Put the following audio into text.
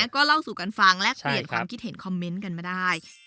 ก็เล่าสู่กันฟังแลกเปลี่ยนความคิดเห็นคอมเมนต์กันมาได้